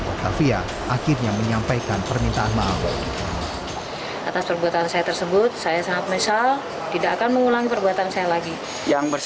octavia akhirnya menyampaikan permintaan maaf